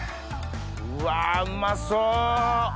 うわうまそう！